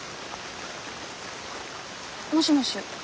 もしもし。